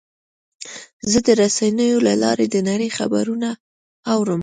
زه د رسنیو له لارې د نړۍ خبرونه اورم.